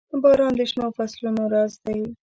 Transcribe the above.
• باران د شنو فصلونو راز دی.